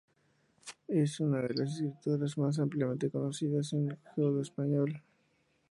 Es una de las escritoras más ampliamente conocidas en Judeoespañol.